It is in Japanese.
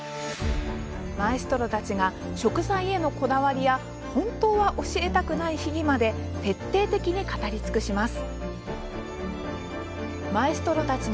マエストロたちが食材へのこだわりや本当は教えたくない秘技まで徹底的に語り尽くします。